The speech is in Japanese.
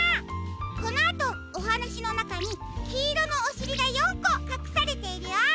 このあとおはなしのなかにきいろのおしりが４こかくされているよ。